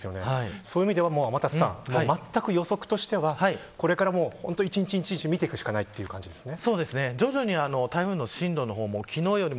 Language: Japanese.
そういう意味では予測としてはこれから一日一日見ていくしかないという感じですね。